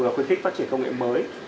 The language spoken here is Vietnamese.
vừa khuyến khích phát triển công nghệ mới